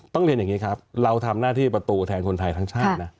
เรียนอย่างนี้ครับเราทำหน้าที่ประตูแทนคนไทยทั้งชาตินะ